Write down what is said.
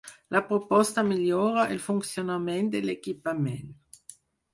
La proposta millora el funcionament de l'equipament.